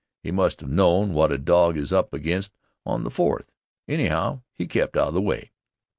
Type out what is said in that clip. He must have known what a dog is up against on the Fourth. Anyhow, he kept out of the way.